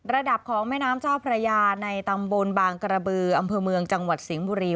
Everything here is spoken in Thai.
ระดับของแม่น้ำเจ้าพระยาในตำบลบางกระบืออำเภอเมืองจังหวัดสิงห์บุรี